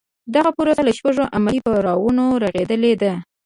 دغه پروسه له شپږو عملي پړاوونو رغېدلې ده.